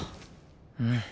うん。